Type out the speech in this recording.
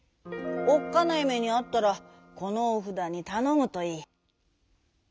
おっかないめにあったらこのおふだにたのむといい」。